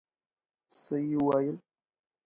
څه يې وويل.